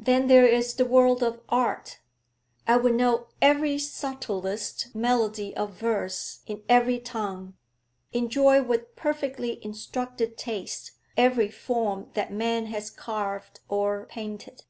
Then there is the world of art; I would know every subtlest melody of verse in every tongue, enjoy with perfectly instructed taste every form that man has carved or painted.